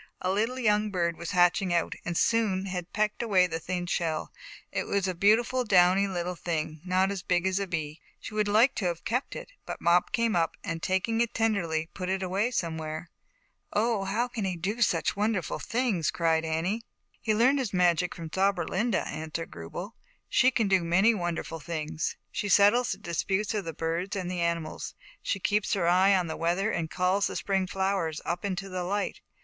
A little young bird was hatching out, and soon had pecked away the thin shell. It was a beautiful downy little thing, not as big as a bee. She would like to have kept it, but Mop came up and taking it tenderly, put it away somewhere. "Oh, how can he do such wonderful things?" cried Annie. 166 ZAUBERLINDA, THE WISE WITCH. m "He learned his magic from Zauber linda," answered Grubel. "She can do many wonderful things. She settles the disputes of the birds and animals. She keeps her eye on the weather, and calls the spring flowers up into the light.